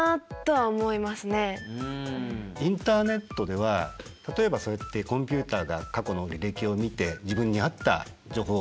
インターネットでは例えばそうやってコンピューターが過去の履歴を見て自分に合った情報を流してくれる。